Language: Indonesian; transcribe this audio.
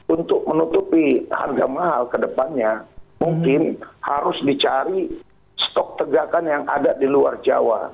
untuk menutupi harga mahal ke depannya mungkin harus dicari stok tegakan yang ada di luar jawa